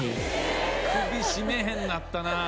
首絞めへんなったな。